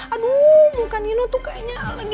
aduh muka nino tuh kayaknya